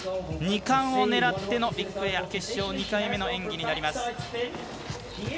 ２冠を狙ってのビッグエア決勝２回目の演技になります。